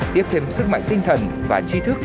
tiếp thêm sức mạnh tinh thần và chi thức